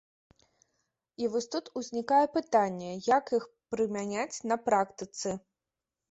І вось тут узнікае пытанне, як іх прымяняць на практыцы.